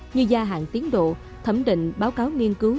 như gia hạn tiến độ thẩm định báo cáo nghiên cứu